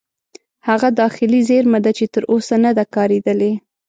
هغه داخلي زیرمه ده چې تر اوسه نه ده کارېدلې.